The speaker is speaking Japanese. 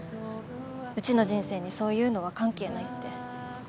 うちの人生にそういうのは関係ないって。